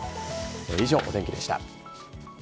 以上、お天気でした。